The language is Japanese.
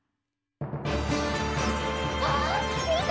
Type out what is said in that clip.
あっみて！